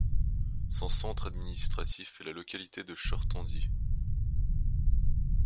Son centre administratif est la localité de Chortandy.